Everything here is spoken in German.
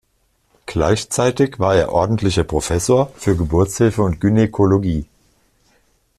Gleichzeitig war er ordentlicher Professor für Geburtshilfe und Gynäkologie.